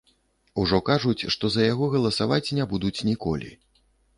Ужо кажуць што за яго галасаваць не будуць ніколі.